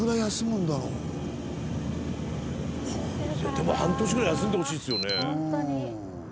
でも半年ぐらい休んでほしいですよね。